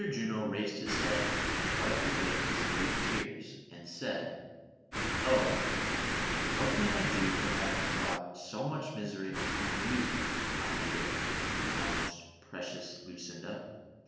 JUNO raised his head and wiped away his great tears, and said :'' Oh ! wliat can I do for having brought so much misery upon you, my dear, my most pre cious Lucinda